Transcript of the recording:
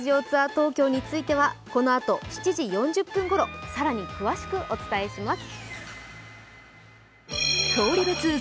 東京についてはこのあと７時４０分ごろ更に詳しくお伝えします。